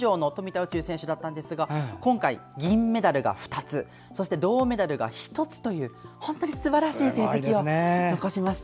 宇宙選手なんですが今回、銀メダルが２つそして銅メダルが１つという本当にすばらしい成績を残しました。